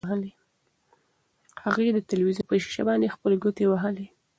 هغې د تلویزیون په شیشه باندې خپلې ګوتې وهلې.